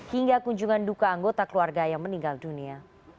hingga kunjungan duka anggota keluarga yang meninggal dunia